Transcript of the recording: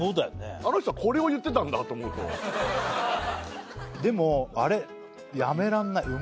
あの人はこれを言ってたんだと思うとでもあれ？